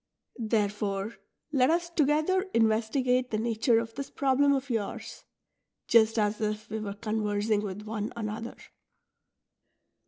Therefore let us together investigate the nature of this problem of yours, just as if we were conversing with one another.''